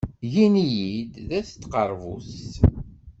Ggin-iyi-d At Tqerbuzt.